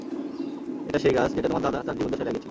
এটা সেই গাছ যেটা তোমার দাদা তার জীবদ্দশায় লাগিয়েছিল!